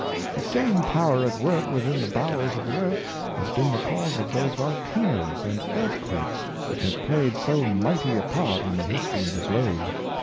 The same power at work within the bowels of the earth has been the cause of those volcanoes and earthquakes which have played so mighty a part in the history of the globe.